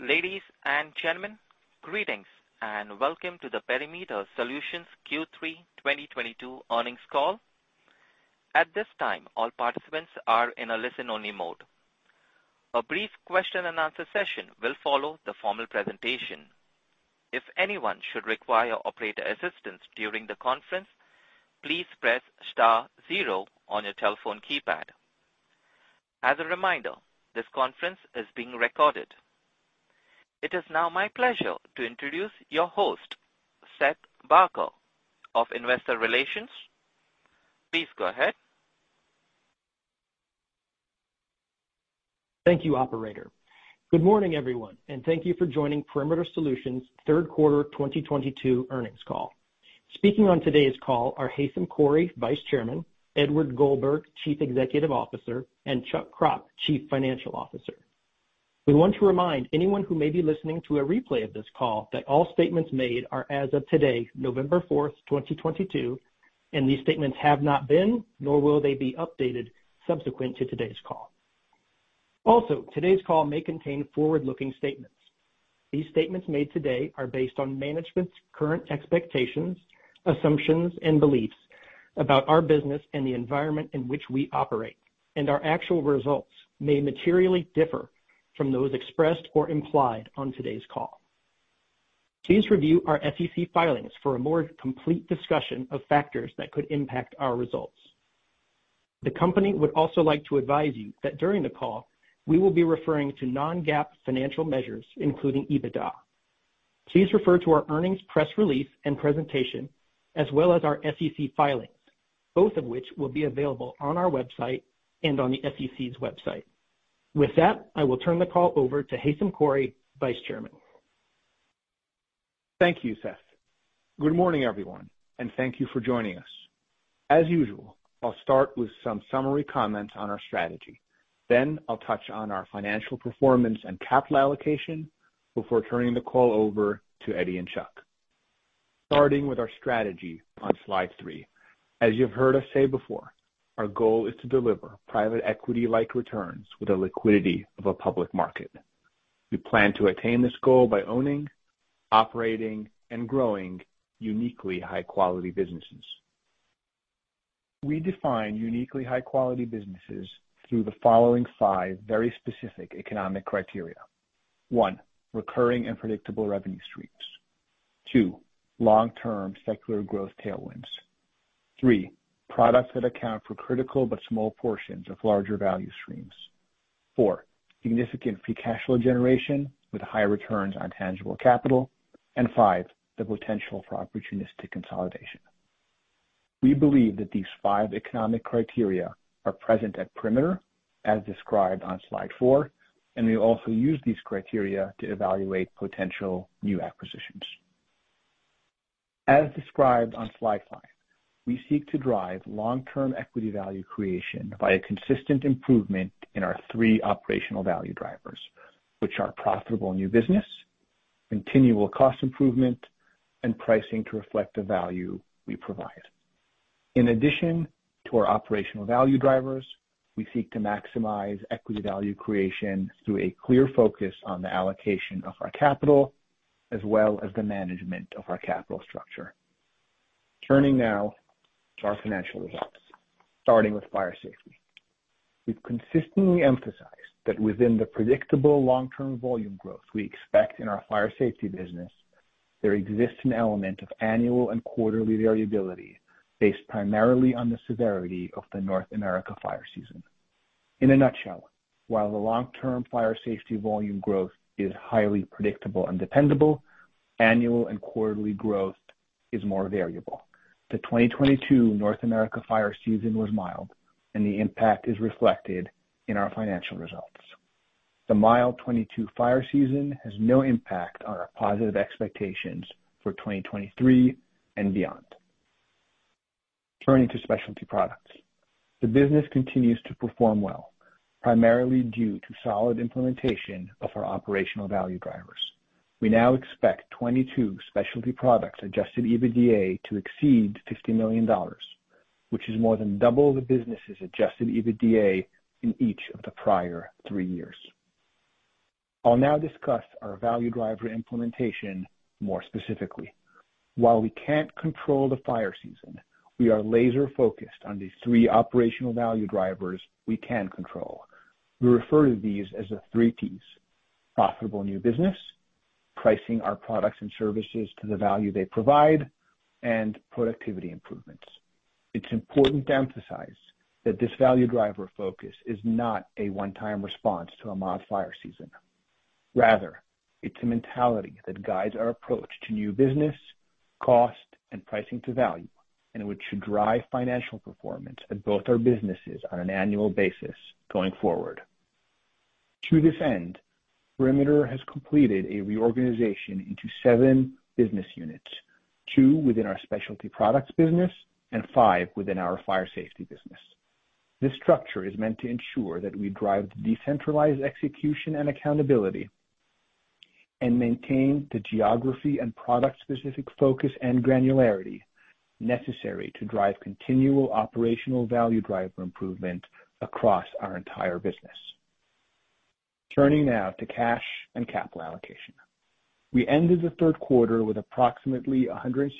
Ladies and gentlemen, greetings and welcome to the Perimeter Solutions Q3 2022 earnings call. At this time, all participants are in a listen-only mode. A brief question and answer session will follow the formal presentation. If anyone should require operator assistance during the conference, please press star zero on your telephone keypad. As a reminder, this conference is being recorded. It is now my pleasure to introduce your host, Seth Barker of Investor Relations. Please go ahead. Thank you, operator. Good morning, everyone, and thank you for joining Perimeter Solutions third quarter 2022 earnings call. Speaking on today's call are Haitham Khouri, Vice Chairman, Edward Goldberg, Chief Executive Officer, and Chuck Kropp, Chief Financial Officer. We want to remind anyone who may be listening to a replay of this call that all statements made are as of today, November 4, 2022, and these statements have not been, nor will they be updated subsequent to today's call. Also, today's call may contain forward-looking statements. These statements made today are based on management's current expectations, assumptions, and beliefs about our business and the environment in which we operate. Our actual results may materially differ from those expressed or implied on today's call. Please review our SEC filings for a more complete discussion of factors that could impact our results. The company would also like to advise you that during the call, we will be referring to non-GAAP financial measures, including EBITDA. Please refer to our earnings press release and presentation as well as our SEC filings, both of which will be available on our website and on the SEC's website. With that, I will turn the call over to Haitham Khouri, Vice Chairman. Thank you, Seth. Good morning, everyone, and thank you for joining us. As usual, I'll start with some summary comments on our strategy. Then I'll touch on our financial performance and capital allocation before turning the call over to Eddie and Chuck. Starting with our strategy on slide three. As you've heard us say before, our goal is to deliver private equity-like returns with the liquidity of a public market. We plan to attain this goal by owning, operating, and growing uniquely high-quality businesses. We define uniquely high-quality businesses through the following five very specific economic criteria. One, recurring and predictable revenue streams. Two, long-term secular growth tailwinds. Three, products that account for critical but small portions of larger value streams. Four, significant free cash flow generation with high returns on tangible capital. Five, the potential for opportunistic consolidation. We believe that these five economic criteria are present at Perimeter, as described on slide four, and we also use these criteria to evaluate potential new acquisitions. As described on slide five, we seek to drive long-term equity value creation by a consistent improvement in our three operational value drivers, which are profitable new business, continual cost improvement, and pricing to reflect the value we provide. In addition to our operational value drivers, we seek to maximize equity value creation through a clear focus on the allocation of our capital, as well as the management of our capital structure. Turning now to our financial results, starting with Fire Safety. We've consistently emphasized that within the predictable long-term volume growth we expect in our Fire Safety business, there exists an element of annual and quarterly variability based primarily on the severity of the North American fire season. In a nutshell, while the long-term Fire Safety volume growth is highly predictable and dependable, annual and quarterly growth is more variable. The 2022 North America fire season was mild and the impact is reflected in our financial results. The mild 2022 fire season has no impact on our positive expectations for 2023 and beyond. Turning to Specialty Products. The business continues to perform well, primarily due to solid implementation of our operational value drivers. We now expect 2022 Specialty Products adjusted EBITDA to exceed $50 million, which is more than double the business's adjusted EBITDA in each of the prior three years. I'll now discuss our value driver implementation more specifically. While we can't control the fire season, we are laser-focused on these three operational value drivers we can control. We refer to these as the three Ps, profitable new business, pricing our products and services to the value they provide, and productivity improvements. It's important to emphasize that this value driver focus is not a one-time response to a mild fire season. Rather, it's a mentality that guides our approach to new business, cost, and pricing to value, and which should drive financial performance at both our businesses on an annual basis going forward. To this end, Perimeter has completed a reorganization into seven business units, two within our Specialty Products business and five within our Fire Safety business. This structure is meant to ensure that we drive the decentralized execution and accountability and maintain the geography and product-specific focus and granularity necessary to drive continual operational value driver improvement across our entire business. Turning now to cash and capital allocation. We ended the third quarter with approximately $166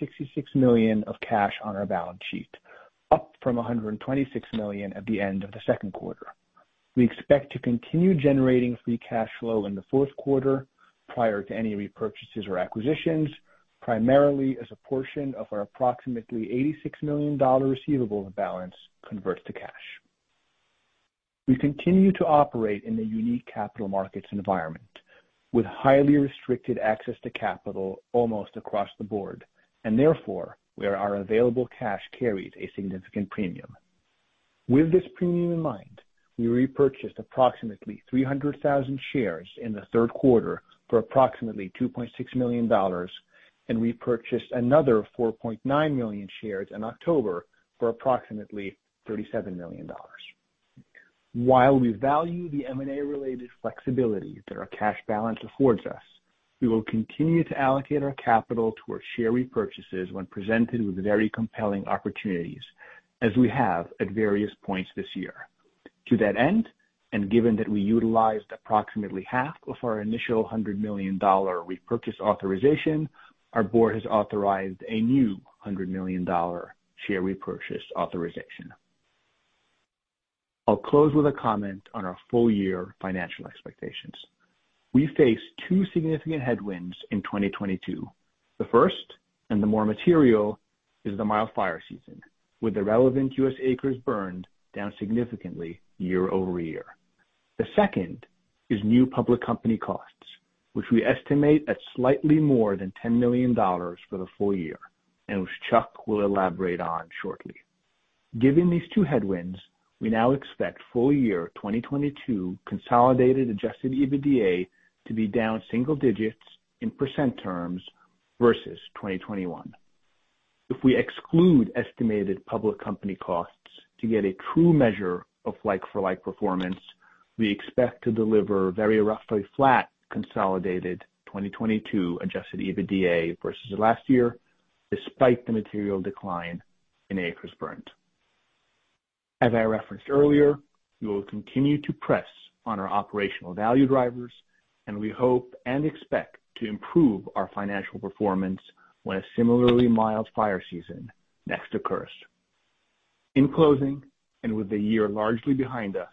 million of cash on our balance sheet, up from $126 million at the end of the second quarter. We expect to continue generating free cash flow in the fourth quarter prior to any repurchases or acquisitions, primarily as a portion of our approximately $86 million receivable balance converts to cash. We continue to operate in a unique capital markets environment with highly restricted access to capital almost across the board, and therefore, where our available cash carries a significant premium. With this premium in mind, we repurchased approximately 300,000 shares in the third quarter for approximately $2.6 million and repurchased another 4.9 million shares in October for approximately $37 million. While we value the M&A-related flexibility that our cash balance affords us, we will continue to allocate our capital towards share repurchases when presented with very compelling opportunities as we have at various points this year. To that end, and given that we utilized approximately half of our initial $100 million repurchase authorization, our board has authorized a new $100 million share repurchase authorization. I'll close with a comment on our full year financial expectations. We face two significant headwinds in 2022. The first, and the more material, is the mild fire season, with the relevant U.S. acres burned down significantly year-over-year. The second is new public company costs, which we estimate at slightly more than $10 million for the full year, and which Chuck will elaborate on shortly. Given these two headwinds, we now expect full year 2022 consolidated adjusted EBITDA to be down single digits % versus 2021. If we exclude estimated public company costs to get a true measure of like-for-like performance, we expect to deliver very roughly flat consolidated 2022 adjusted EBITDA versus last year, despite the material decline in acres burned. As I referenced earlier, we will continue to press on our operational value drivers, and we hope and expect to improve our financial performance when a similarly mild fire season next occurs. In closing, and with the year largely behind us,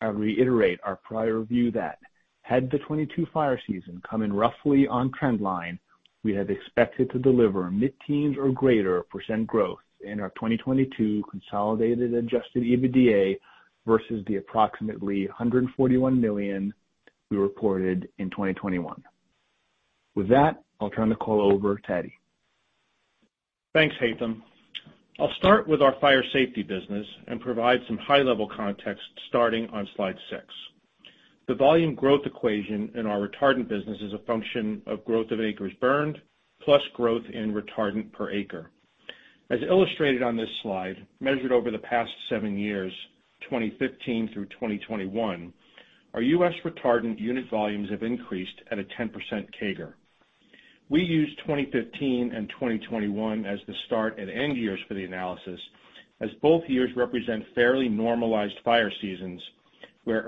I reiterate our prior view that had the 2022 fire season come in roughly on trend line, we had expected to deliver mid-teens or greater % growth in our 2022 consolidated adjusted EBITDA versus the approximately $141 million we reported in 2021. With that, I'll turn the call over to Eddie. Thanks, Haitham. I'll start with our Fire Safety business and provide some high-level context starting on slide six. The volume growth equation in our retardant business is a function of growth of acres burned plus growth in retardant per acre. As illustrated on this slide, measured over the past seven years, 2015 through 2021, our U.S. retardant unit volumes have increased at a 10% CAGR. We used 2015 and 2021 as the start and end years for the analysis, as both years represent fairly normalized fire seasons where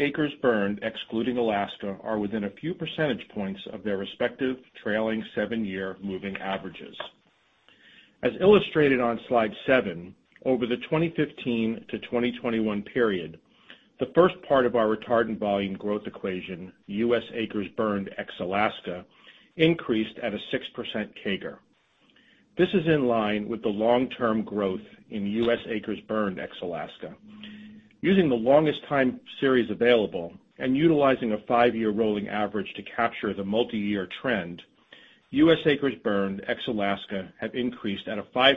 acres burned excluding Alaska are within a few percentage points of their respective trailing seven-year moving averages. As illustrated on slide seven, over the 2015 to 2021 period, the first part of our retardant volume growth equation, U.S. acres burned ex-Alaska, increased at a 6% CAGR. This is in line with the long-term growth in U.S. acres burned ex-Alaska. Using the longest time series available and utilizing a five-year rolling average to capture the multiyear trend, U.S. acres burned ex-Alaska have increased at a 5%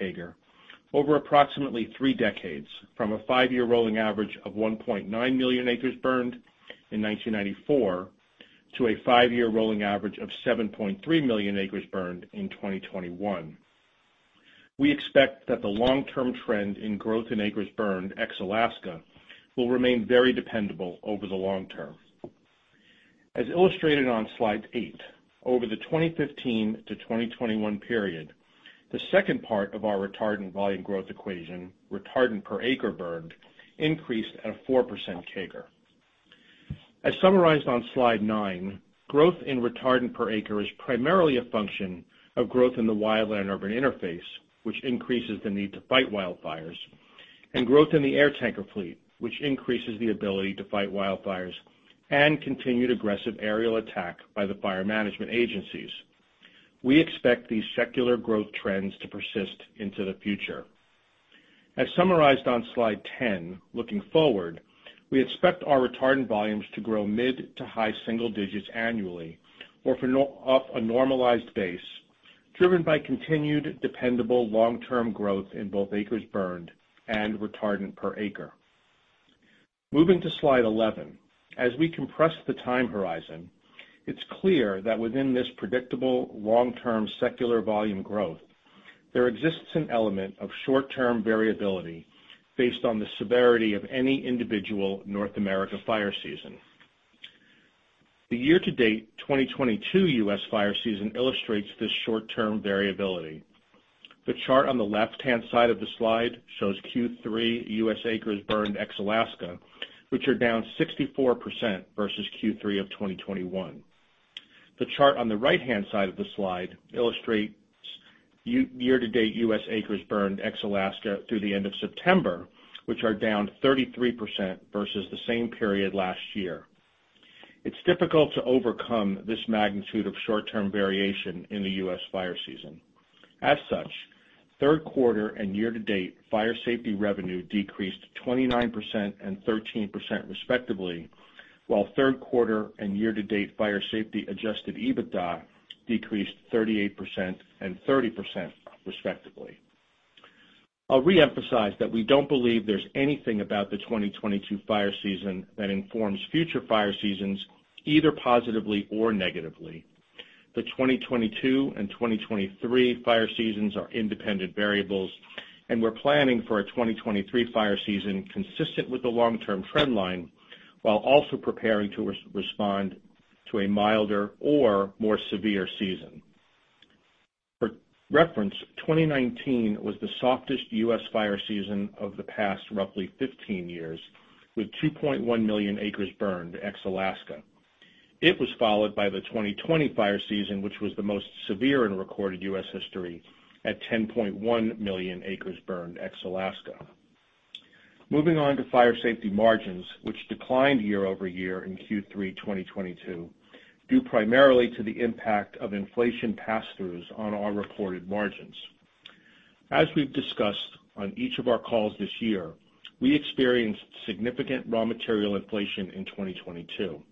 CAGR over approximately three decades, from a five-year rolling average of 1.9 million acres burned in 1994 to a five-year rolling average of 7.3 million acres burned in 2021. We expect that the long-term trend in growth in acres burned ex-Alaska will remain very dependable over the long term. As illustrated on slide eight, over the 2015 to 2021 period, the second part of our retardant volume growth equation, retardant per acre burned, increased at a 4% CAGR. As summarized on slide nine, growth in retardant per acre is primarily a function of growth in the wildland-urban interface, which increases the need to fight wildfires, and growth in the air tanker fleet, which increases the ability to fight wildfires and continued aggressive aerial attack by the fire management agencies. We expect these secular growth trends to persist into the future. As summarized on slide 10, looking forward, we expect our retardant volumes to grow mid- to high-single digits annually or off a normalized base driven by continued dependable long-term growth in both acres burned and retardant per acre. Moving to slide 11, as we compress the time horizon, it's clear that within this predictable long-term secular volume growth. There exists an element of short-term variability based on the severity of any individual North America fire season. The year-to-date 2022 U.S. fire season illustrates this short-term variability. The chart on the left-hand side of the slide shows Q3 U.S. acres burned ex-Alaska, which are down 64% versus Q3 of 2021. The chart on the right-hand side of the slide illustrates year-to-date U.S. acres burned ex-Alaska through the end of September, which are down 33% versus the same period last year. It's difficult to overcome this magnitude of short-term variation in the U.S. fire season. As such, third quarter and year-to-date Fire Safety revenue decreased 29% and 13% respectively, while third quarter and year-to-date Fire Safety adjusted EBITDA decreased 38% and 30% respectively. I'll reemphasize that we don't believe there's anything about the 2022 fire season that informs future fire seasons, either positively or negatively. The 2022 and 2023 fire seasons are independent variables, and we're planning for a 2023 fire season consistent with the long-term trend line, while also preparing to respond to a milder or more severe season. For reference, 2019 was the softest U.S. fire season of the past roughly 15 years, with 2.1 million acres burned ex-Alaska. It was followed by the 2020 fire season, which was the most severe in recorded U.S. history at 10.1 million acres burned ex-Alaska. Moving on to fire safety margins, which declined year-over-year in Q3 2022, due primarily to the impact of inflation passthroughs on our reported margins. As we've discussed on each of our calls this year, we experienced significant raw material inflation in 2022.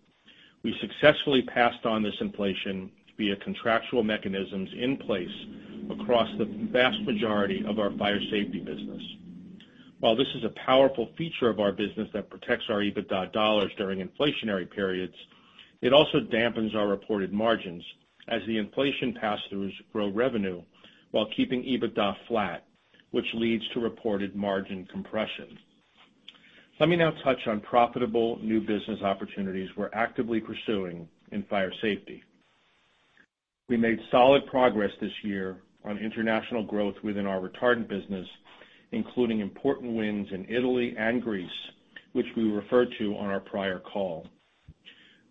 We successfully passed on this inflation via contractual mechanisms in place across the vast majority of our fire safety business. While this is a powerful feature of our business that protects our EBITDA dollars during inflationary periods, it also dampens our reported margins as the inflation passthroughs grow revenue while keeping EBITDA flat, which leads to reported margin compression. Let me now touch on profitable new business opportunities we're actively pursuing in fire safety. We made solid progress this year on international growth within our retardant business, including important wins in Italy and Greece, which we referred to on our prior call.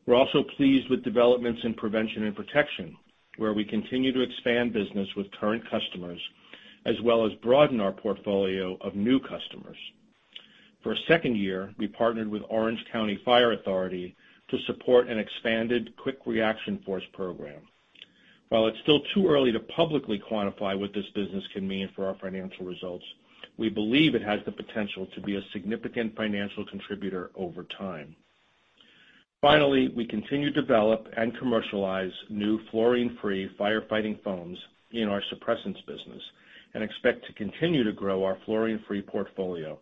We're also pleased with developments in prevention and protection, where we continue to expand business with current customers, as well as broaden our portfolio of new customers. For a second year, we partnered with Orange County Fire Authority to support an expanded quick reaction force program. While it's still too early to publicly quantify what this business can mean for our financial results, we believe it has the potential to be a significant financial contributor over time. Finally, we continue to develop and commercialize new fluorine-free firefighting foams in our suppressants business and expect to continue to grow our fluorine-free portfolio.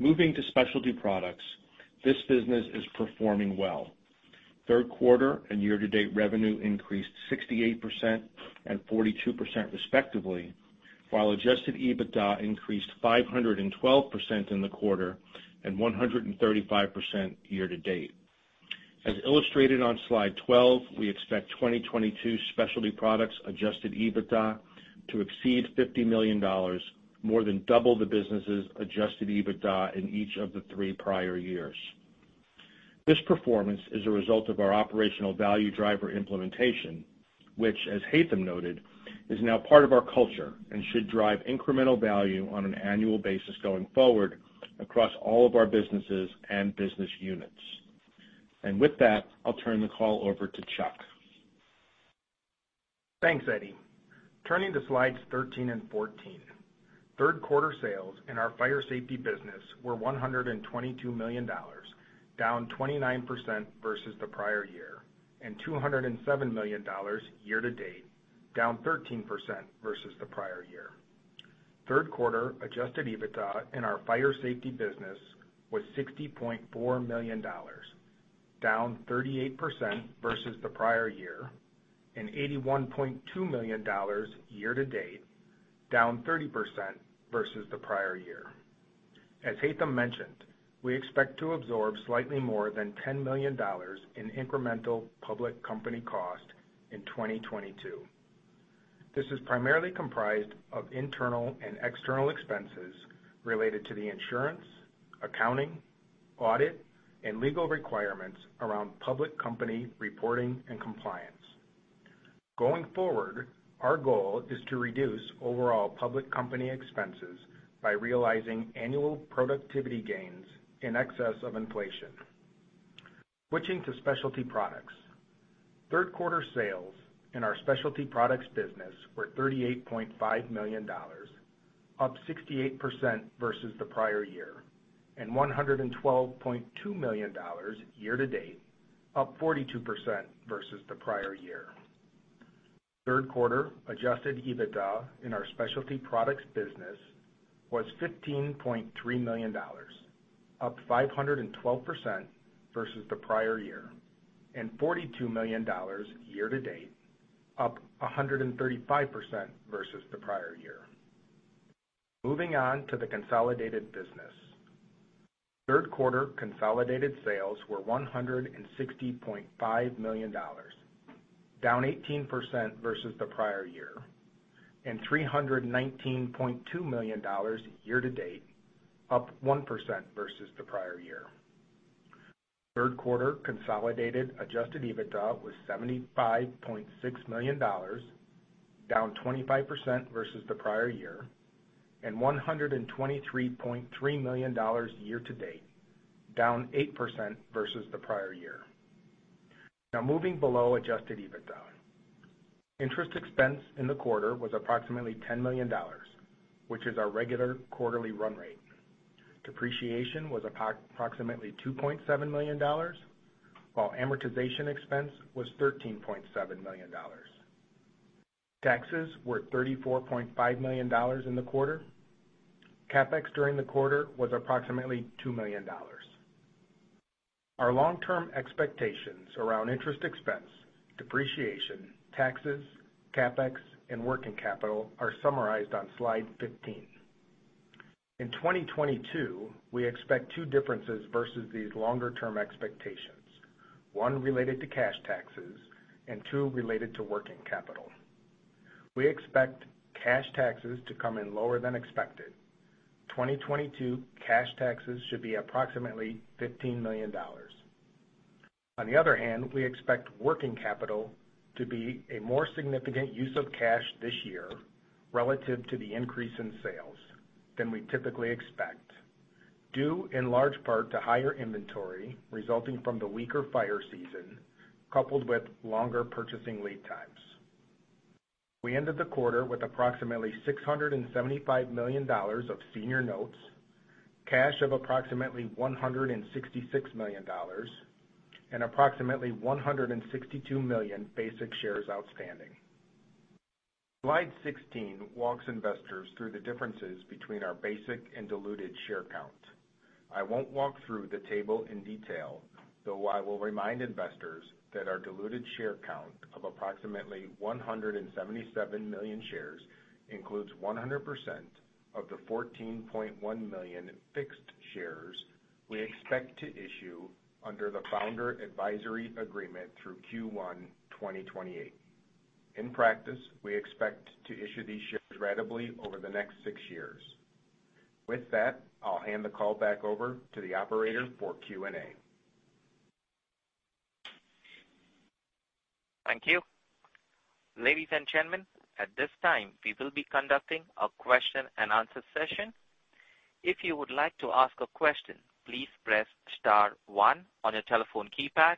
Moving to Specialty Products, this business is performing well. Third quarter and year-to-date revenue increased 68% and 42% respectively, while adjusted EBITDA increased 512% in the quarter and 135% year-to-date. As illustrated on slide 12, we expect 2022 Specialty Products adjusted EBITDA to exceed $50 million, more than double the business's adjusted EBITDA in each of the three prior years. This performance is a result of our operational value driver implementation, which, as Haitham noted, is now part of our culture and should drive incremental value on an annual basis going forward across all of our businesses and business units. With that, I'll turn the call over to Chuck. Thanks, Eddie. Turning to slides 13 and 14. Third quarter sales in our fire safety business were $122 million, down 29% versus the prior year, and $207 million year to date, down 13% versus the prior year. Third quarter adjusted EBITDA in our fire safety business was $60.4 million, down 38% versus the prior year, and $81.2 million year to date, down 30% versus the prior year. As Haitham mentioned, we expect to absorb slightly more than $10 million in incremental public company cost in 2022. This is primarily comprised of internal and external expenses related to the insurance, accounting, audit, and legal requirements around public company reporting and compliance. Going forward, our goal is to reduce overall public company expenses by realizing annual productivity gains in excess of inflation. Switching to Specialty Products. Third quarter sales in our Specialty Products business were $38.5 million, up 68% versus the prior year, and $112.2 million year to date, up 42% versus the prior year. Third quarter Adjusted EBITDA in our Specialty Products business was $15.3 million. Up 512% versus the prior year and $42 million year to date, up 135% versus the prior year. Moving on to the consolidated business. Third quarter consolidated sales were $160.5 million, down 18% versus the prior year, and $319.2 million year to date, up 1% versus the prior year. Third quarter consolidated adjusted EBITDA was $75.6 million, down 25% versus the prior year, and $123.3 million year to date, down 8% versus the prior year. Now moving below adjusted EBITDA. Interest expense in the quarter was approximately $10 million, which is our regular quarterly run rate. Depreciation was approximately $2.7 million, while amortization expense was $13.7 million. Taxes were $34.5 million in the quarter. CapEx during the quarter was approximately $2 million. Our long-term expectations around interest expense, depreciation, taxes, CapEx, and working capital are summarized on slide 15. In 2022, we expect two differences versus these longer-term expectations. One related to cash taxes and two related to working capital. We expect cash taxes to come in lower than expected. 2022 cash taxes should be approximately $15 million. On the other hand, we expect working capital to be a more significant use of cash this year relative to the increase in sales than we typically expect, due in large part to higher inventory resulting from the weaker fire season, coupled with longer purchasing lead times. We ended the quarter with approximately $675 million of senior notes, cash of approximately $166 million, and approximately 162 million basic shares outstanding. Slide 16 walks investors through the differences between our basic and diluted share count. I won't walk through the table in detail, though I will remind investors that our diluted share count of approximately 177 million shares includes 100% of the 14.1 million fixed shares we expect to issue under the Founder Advisory Agreement through Q1 2028. In practice, we expect to issue these shares ratably over the next six years. With that, I'll hand the call back over to the operator for Q&A. Thank you. Ladies and gentlemen, at this time, we will be conducting a question-and-answer session. If you would like to ask a question, please press star one on your telephone keypad.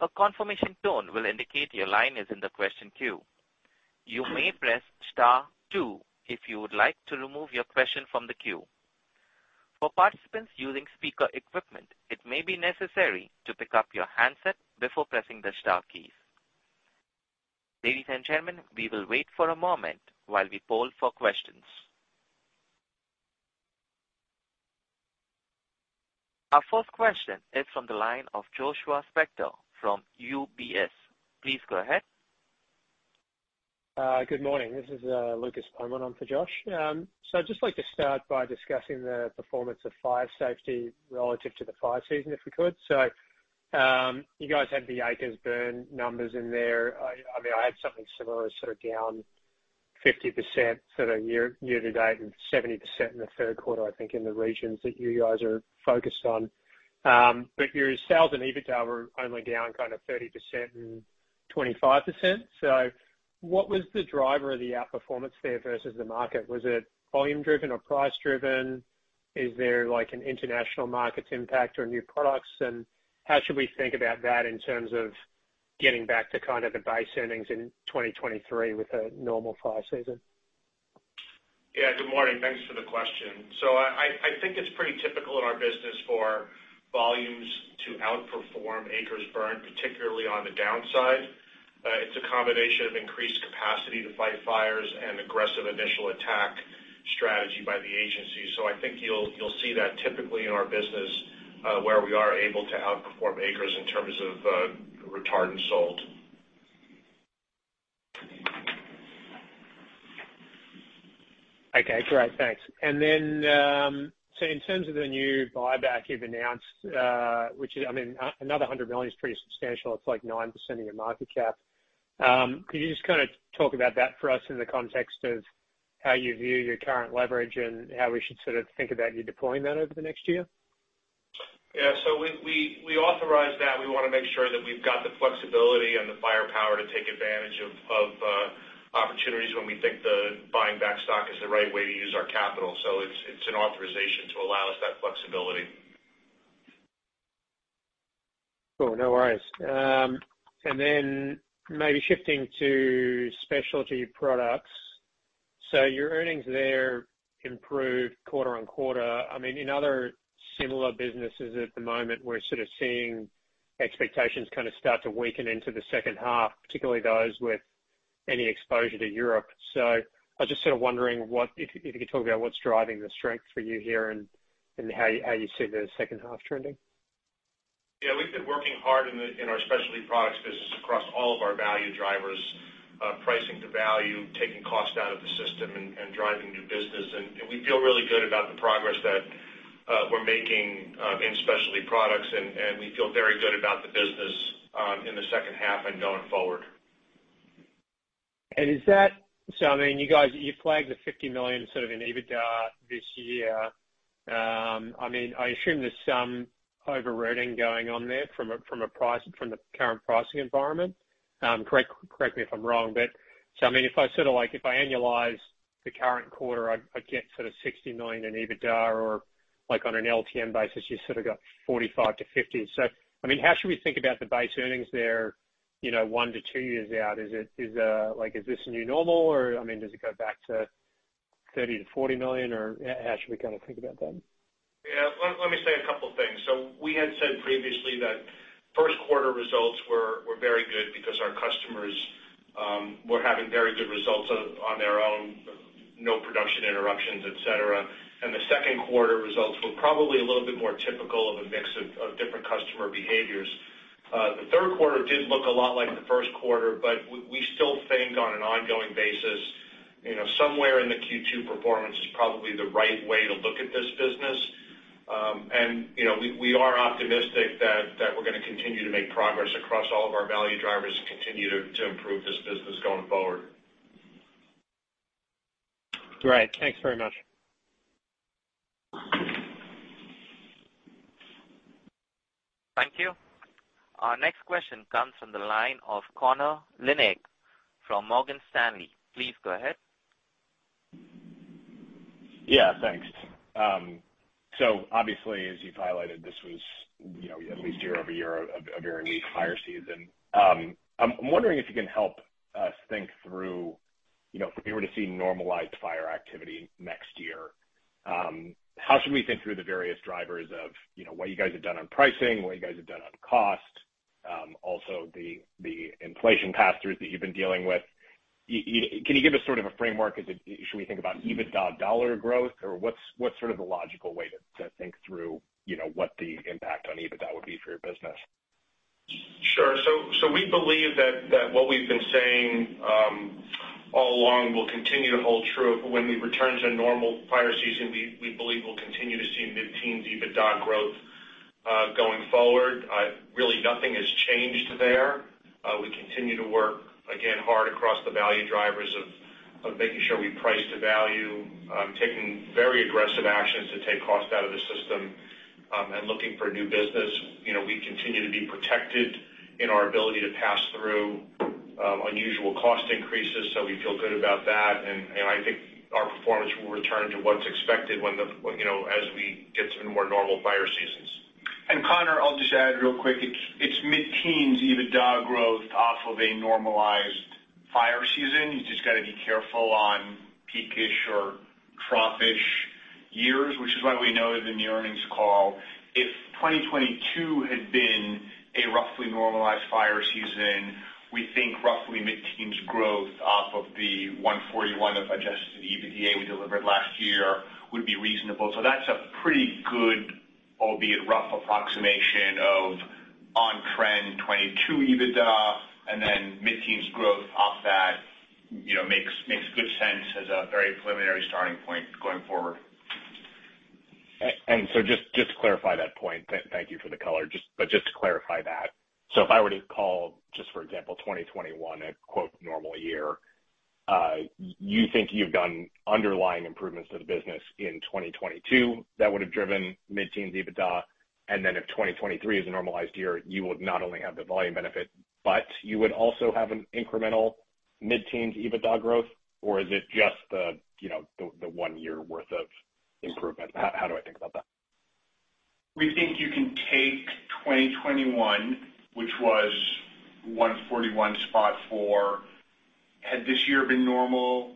A confirmation tone will indicate your line is in the question queue. You may press star two if you would like to remove your question from the queue. For participants using speaker equipment, it may be necessary to pick up your handset before pressing the star keys. Ladies and gentlemen, we will wait for a moment while we poll for questions. Our first question is from the line of Joshua Spector from UBS. Please go ahead. Good morning. This is Lucas Beaumont on for Josh. I'd just like to start by discussing the performance of Fire Safety relative to the fire season, if we could. You guys had the acres burned numbers in there. I mean, I had something similar, sort of down 50% sort of year to date and 70% in the third quarter, I think, in the regions that you guys are focused on. Your sales and EBITDA were only down kind of 30% and 25%. What was the driver of the outperformance there versus the market? Was it volume driven or price driven? Is there like an international markets impact or new products? How should we think about that in terms of getting back to kind of the base earnings in 2023 with a normal fire season? Yeah. Good morning. Thanks for the question. I think it's pretty typical in our business for volumes to outperform acres burned, particularly on the downside. It's a combination of increased capacity to fight fires and aggressive initial attack strategy by the agency. I think you'll see that typically in our business, where we are able to outperform acres in terms of retardant sold. Okay. Great. Thanks. In terms of the new buyback you've announced, which is, I mean, another $100 million is pretty substantial. It's like 9% of your market cap. Could you just kinda talk about that for us in the context of how you view your current leverage and how we should sort of think about you deploying that over the next year? Yeah. We authorized that. We wanna make sure that we've got the flexibility and the firepower to take advantage of opportunities when we think the buying back stock is the right way to use our capital. It's an authorization to allow us that flexibility. Cool. No worries. Maybe shifting to Specialty Products. Your earnings there improved quarter-over-quarter. I mean, in other similar businesses at the moment, we're sort of seeing expectations kind of start to weaken into the second half, particularly those with Any exposure to Europe. I was just sort of wondering what if you could talk about what's driving the strength for you here and how you see the second half trending. Yeah. We've been working hard in our Specialty Products business across all of our value drivers, pricing to value, taking costs out of the system and driving new business. We feel really good about the progress that we're making in Specialty Products and we feel very good about the business in the second half and going forward. Is that? I mean, you guys, you flagged the $50 million sort of in EBITDA this year. I mean, I assume there's some overwriting going on there from the current pricing environment. Correct me if I'm wrong, but I mean, if I annualize the current quarter, I'd get sort of $60 million in EBITDA or like on an LTM basis, you sort of got $45 million-$50 million. I mean, how should we think about the base earnings there, you know, one to two years out? Is this, like, a new normal or, I mean, does it go back to $30 million-$40 million or how should we kind of think about that? Yeah. Let me say a couple things. We had said previously that first quarter results were very good because our customers were having very good results on their own, no production interruptions, et cetera. The second quarter results were probably a little bit more typical of a mix of different customer behaviors. The third quarter did look a lot like the first quarter, but we still think on an ongoing basis, you know, somewhere in the Q2 performance is probably the right way to look at this business. You know, we are optimistic that we're gonna continue to make progress across all of our value drivers to continue to improve this business going forward. Great. Thanks very much. Thank you. Our next question comes from the line of Connor Lynagh from Morgan Stanley. Please go ahead. Yeah, thanks. So obviously, as you've highlighted, this was, you know, at least year-over-year a very weak fire season. I'm wondering if you can help us think through, you know, if we were to see normalized fire activity next year, how should we think through the various drivers of, you know, what you guys have done on pricing, what you guys have done on cost, also the inflation pass-throughs that you've been dealing with. Can you give us sort of a framework? Should we think about EBITDA dollar growth, or what's sort of the logical way to think through, you know, what the impact on EBITDA would be for your business? Sure. We believe that what we've been saying all along will continue to hold true. When we return to a normal fire season, we believe we'll continue to see mid-teens EBITDA growth going forward. Really nothing has changed there. We continue to work, again, hard across the value drivers of making sure we price to value, taking very aggressive actions to take costs out of the system, and looking for new business. You know, we continue to be protected in our ability to pass through unusual cost increases, so we feel good about that. I think our performance will return to what's expected when, you know, as we get to more normal fire seasons. Connor, I'll just add real quick. It's mid-teens% EBITDA growth off of a normalized fire season. You've just got to be careful on peak-ish or trough-ish years, which is why we noted in the earnings call, if 2022 had been a roughly normalized fire season, we think roughly mid-teens% growth off of the $141 million of adjusted EBITDA we delivered last year would be reasonable. That's a pretty good, albeit rough approximation of on-trend 2022 EBITDA and then mid-teens% growth off that, you know, makes good sense as a very preliminary starting point going forward. To clarify that point, thank you for the color. To clarify that, so if I were to call, just for example, 2021 a quote normal year, you think you've done underlying improvements to the business in 2022 that would have driven mid-teens EBITDA, and then if 2023 is a normalized year, you would not only have the volume benefit, but you would also have an incremental mid-teens EBITDA growth? Or is it just the, you know, the one year worth of improvement? How do I think about that? We think you can take 2021, which was $141.4. Had this year been normal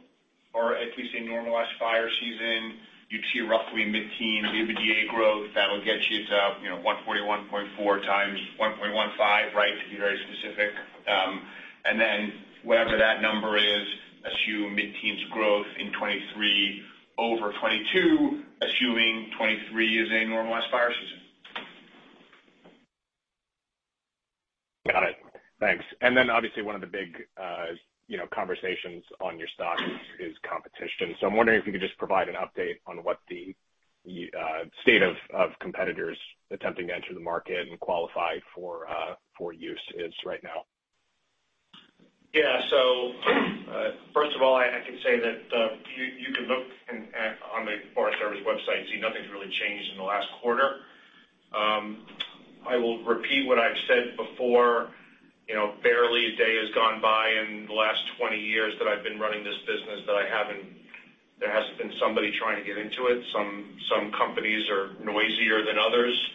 or at least a normalized fire season, you'd see roughly mid-teen EBITDA growth. That'll get you to, you know, $141.4 times 1.15, right, to be very specific. Then whatever that number is, assume mid-teens growth in 2023 over 2022, assuming 2023 is a normalized fire season. Got it. Thanks. Then obviously one of the big, you know, conversations on your stock is competition. I'm wondering if you could just provide an update on what the state of competitors attempting to enter the market and qualify for use is right now. Yeah. First of all, I can say that you can look on the Fire Service website and see nothing's really changed in the last quarter. I will repeat what I've said before. You know, barely a day has gone by in the last 20 years that I've been running this business that there hasn't been somebody trying to get into it. Some companies are noisier than others.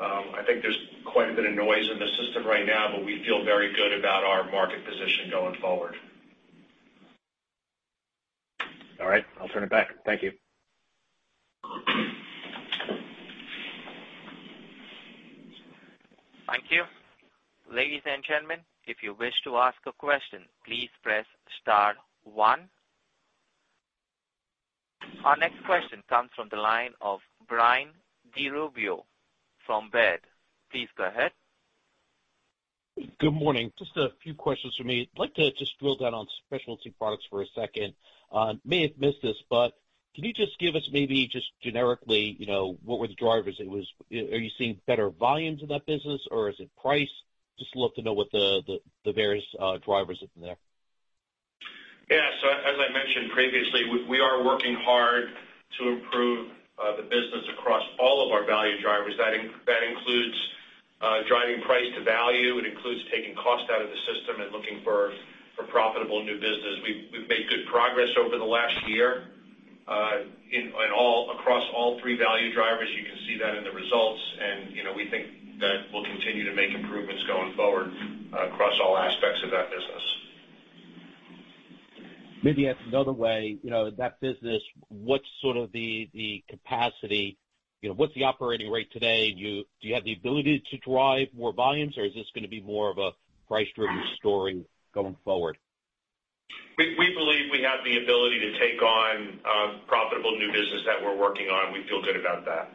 I think there's quite a bit of noise in the system right now, but we feel very good about our market position going forward. All right. I'll turn it back. Thank you. Thank you. Ladies and gentlemen, if you wish to ask a question, please press star one. Our next question comes from the line of Brian DiRubbio from Baird. Please go ahead. Good morning. Just a few questions from me. I'd like to just drill down on Specialty Products for a second. May have missed this, but can you just give us maybe just generically, you know, what were the drivers? Are you seeing better volumes in that business, or is it price? Just love to know what the various drivers in there. Yeah, as I mentioned previously, we are working hard to improve the business across all of our value drivers. That includes driving price to value. It includes taking cost out of the system and looking for profitable new business. We've made good progress over the last year across all three value drivers. You can see that in the results. You know, we think that we'll continue to make improvements going forward across all aspects of that business. Maybe ask another way. You know, that business, what's sort of the capacity? You know, what's the operating rate today? Do you have the ability to drive more volumes, or is this gonna be more of a price-driven story going forward? We believe we have the ability to take on profitable new business that we're working on. We feel good about that.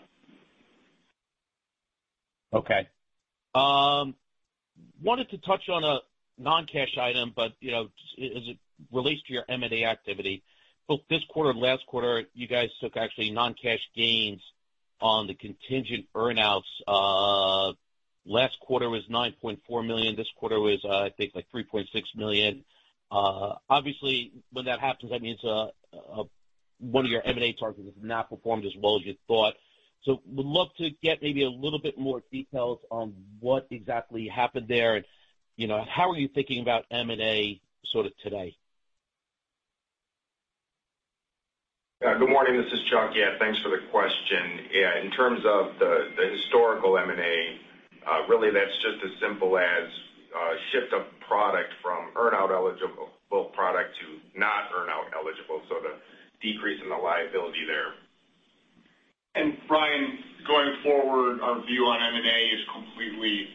Okay. Wanted to touch on a non-cash item, but, you know, as it relates to your M&A activity. Both this quarter and last quarter, you guys took actually non-cash gains on the contingent earn-outs. Last quarter was $9.4 million. This quarter was, I think, like, $3.6 million. Obviously, when that happens, that means one of your M&A targets has not performed as well as you thought. Would love to get maybe a little bit more details on what exactly happened there. You know, how are you thinking about M&A sort of today? Good morning. This is Chuck. Yeah, thanks for the question. Yeah, in terms of the historical M&A, really that's just as simple as a shift of product from earn-out eligible product to not earn-out eligible, so the decrease in the liability there. Brian, going forward, our view on M&A is completely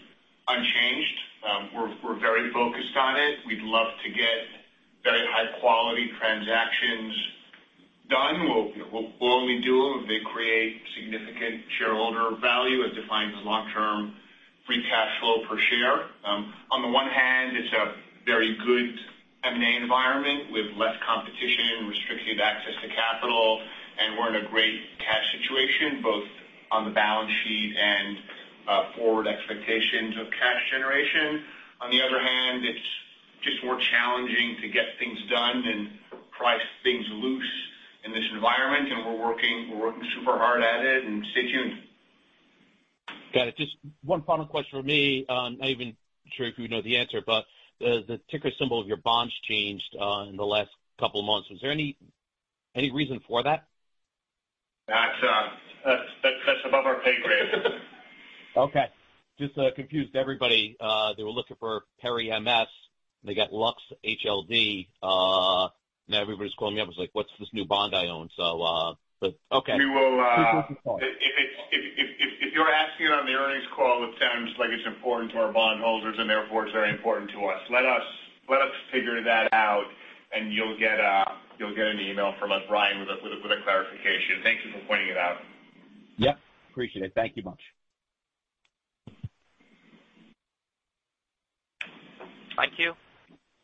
unchanged. We're very focused on it. We'd love to get very high-quality transactions done. We'll only do them if they create significant shareholder value as defined as long-term free cash flow per share. On the one hand, it's a very good M&A environment with less competition, restricted access to capital, and we're in a great cash situation, both on the balance sheet and forward expectations of cash generation. On the other hand, it's just more challenging to get things done and price things loose in this environment, and we're working super hard at it. Stay tuned. Got it. Just one final question from me. Not even sure if you know the answer, but the ticker symbol of your bonds changed in the last couple of months. Was there any reason for that? That's above our pay grade. Okay. Just confused everybody. They were looking for PERIMs, and they got LuxHLD. Now everybody's calling me up. It's like, "What's this new bond I own?" But okay. If you're asking it on the earnings call, it sounds like it's important to our bondholders, and therefore it's very important to us. Let us figure that out, and you'll get an email from us, Brian, with a clarification. Thank you for pointing it out. Yep, appreciate it. Thank you much. Thank you.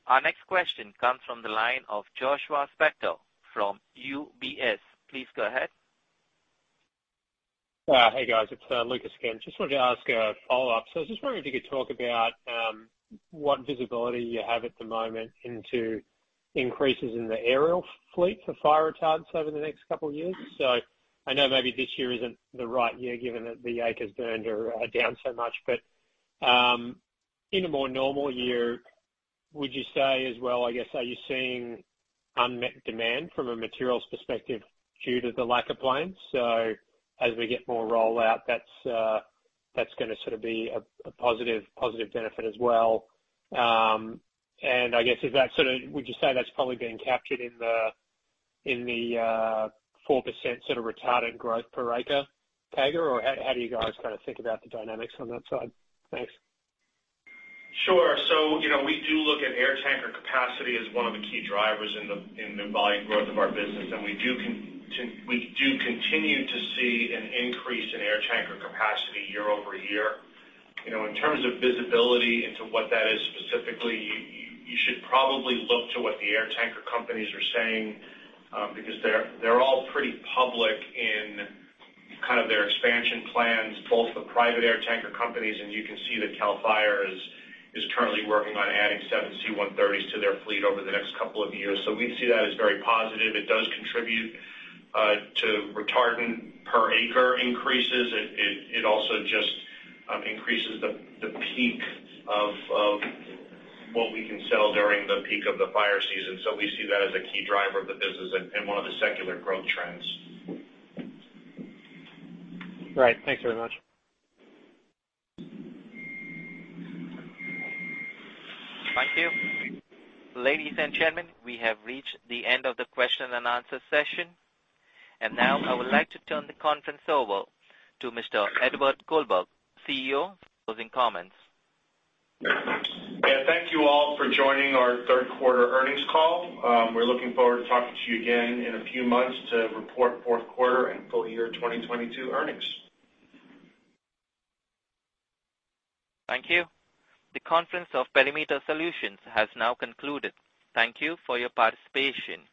Our next question comes from the line of Joshua Spector from UBS. Please go ahead. Hey, guys. It's Lucas again. Just wanted to ask a follow-up. I was just wondering if you could talk about what visibility you have at the moment into increases in the aerial fleet for fire retardants over the next couple of years. I know maybe this year isn't the right year, given that the acres burned are down so much. In a more normal year, would you say as well, I guess, are you seeing unmet demand from a materials perspective due to the lack of planes? As we get more rollout, that's gonna sort of be a positive benefit as well. I guess, is that sort of? Would you say that's probably being captured in the 4% sort of retardant growth per acre CAGR, or how do you guys kind of think about the dynamics on that side? Thanks. Sure. You know, we do look at air tanker capacity as one of the key drivers in the volume growth of our business. We do continue to see an increase in air tanker capacity year-over-year. You know, in terms of visibility into what that is specifically, you should probably look to what the air tanker companies are saying, because they're all pretty public in kind of their expansion plans, both the private air tanker companies, and you can see that CAL FIRE is currently working on adding seven C-130s to their fleet over the next couple of years. We see that as very positive. It does contribute to retardant per acre increases. It also just increases the peak of what we can sell during the peak of the fire season. We see that as a key driver of the business and one of the secular growth trends. Great. Thanks very much. Thank you. Ladies and gentlemen, we have reached the end of the question and answer session. Now I would like to turn the conference over to Mr. Edward Goldberg, CEO, for closing comments. Yeah, thank you all for joining our third quarter earnings call. We're looking forward to talking to you again in a few months to report fourth quarter and full year 2022 earnings. Thank you. The conference of Perimeter Solutions has now concluded. Thank you for your participation.